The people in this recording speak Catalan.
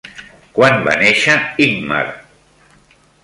Quan va néixer Ingmar?